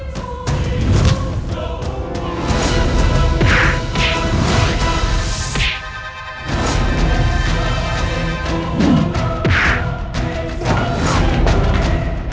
jangan jangan lengah gila karena b heavenly